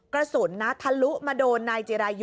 กระสุนนะทะลุมาโดนนายจิรายุ